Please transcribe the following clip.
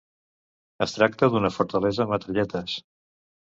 Es tracta d'una fortalesa amb Metralletes.